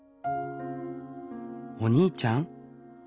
「お兄ちゃん？」